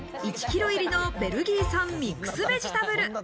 １キロ入りのベルギー産ミックスベジタブル。